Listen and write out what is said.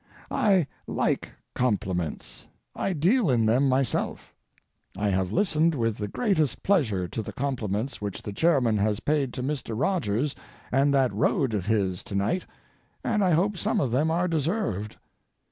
I like compliments. I deal in them myself. I have listened with the greatest pleasure to the compliments which the chairman has paid to Mr. Rogers and that road of his to night, and I hope some of them are deserved.